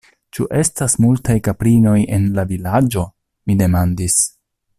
Ĉu estas multaj kaprinoj en la Vilaĝo? mi demandis.